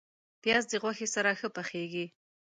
پیاز د غوښې سره ښه پخیږي